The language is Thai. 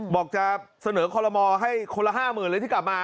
บอกจะเสนอคอลโมให้คนละ๕๐๐๐เลยที่กลับมา